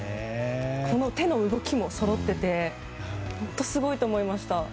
手の動きもそろっていてすごいと思いました。